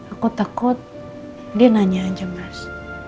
aku takut dia nanya aja mas